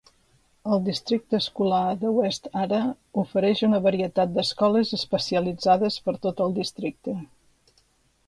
El districte escolar de West Ada ofereix una varietat d'escoles especialitzades per tot el districte.